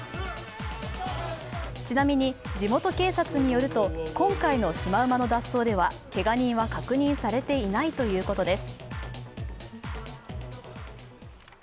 ちなみに地元警察によると今回のシマウマの脱走では、けが人は確認されていないということです。